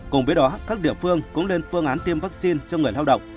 cùng với đó các địa phương cũng lên phương án tiêm vaccine cho người lao động